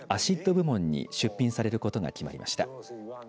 部門に出品されることが決まりました。